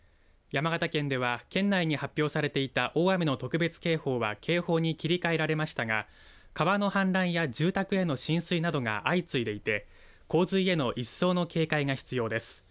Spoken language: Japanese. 山形県では県内に発表されていた大雨の特別警報は警報に切り替えられましたが川の氾濫や住宅への浸水などが相次いでいて、洪水への一層の警戒が必要です。